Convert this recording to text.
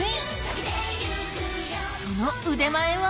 その腕前は？